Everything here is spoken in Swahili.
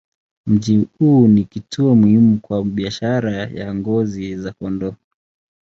Mji huu ni kituo muhimu kwa biashara ya ngozi za kondoo.